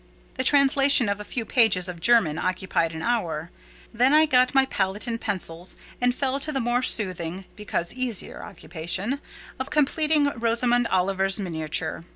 The translation of a few pages of German occupied an hour; then I got my palette and pencils, and fell to the more soothing, because easier occupation, of completing Rosamond Oliver's miniature.